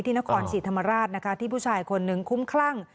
นครศรีธรรมราชนะคะที่ผู้ชายคนนึงคุ้มคลั่ง